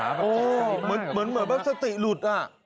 เหมือนสติหลุด